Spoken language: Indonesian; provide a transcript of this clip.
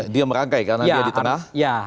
dia merangkai karena dia di tengah